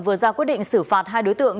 vừa ra quyết định xử phạt hai đối tượng